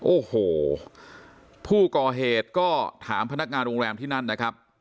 โอ้โหผู้ก่อเหตุก็ถามพนักงานโรงแรมที่นั่นนะครับ